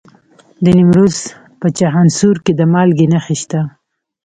د نیمروز په چخانسور کې د مالګې نښې شته.